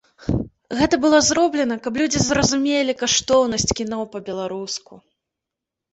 Гэта было зроблена, каб людзі зразумелі каштоўнасць кіно па-беларуску.